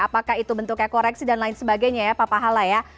apakah itu bentuknya koreksi dan lain sebagainya ya pak pahala ya